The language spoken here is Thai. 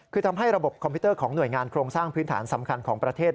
คือทำให้ระบบคอมพิวเตอร์ของหน่วยงานโครงสร้างพื้นฐานสำคัญของประเทศ